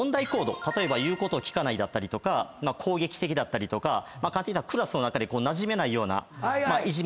例えば言うことを聞かないとか攻撃的だったりとかクラスの中でなじめないようないじめをするとか。